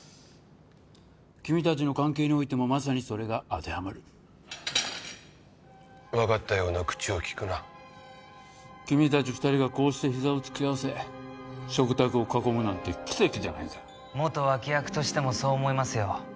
君たちの関係においてもまさにそれが当てはまる分かったような口をきくな君たち二人がこうして膝を突き合わせ食卓を囲むなんて奇跡じゃないか元脇役としてもそう思いますよ